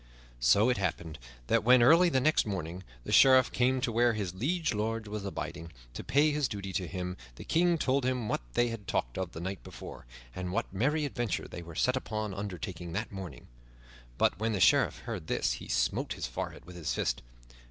So it happened that when early the next morning the Sheriff came to where his liege lord was abiding, to pay his duty to him, the King told him what they had talked of the night before, and what merry adventure they were set upon undertaking that morning. But when the Sheriff heard this he smote his forehead with his fist.